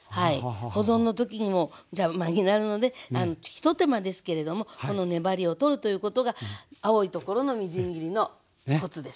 保存の時にも邪魔になるので一手間ですけれどもこの粘りを取るということが青いところのみじん切りのコツです。